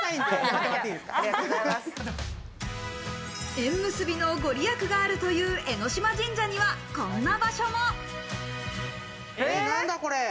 縁結びの御利益があるという江島神社には、こんな場所も。